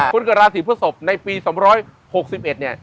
คนเกิดราศีพฤศพในปี๒๖๑เนี่ย